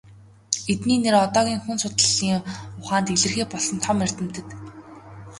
Эдний нэр одоогийн хүн судлалын ухаанд илэрхий болсон том эрдэмтэд.